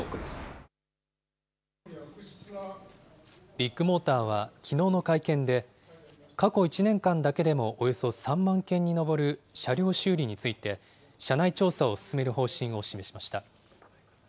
ビッグモーターはきのうの会見で、過去１年間だけでもおよそ３万件に上る車両修理について、社内調査を進める方針を示しました。